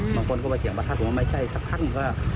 พากงไปเจอเสียงปะทัดไม่ใช่ซักพัก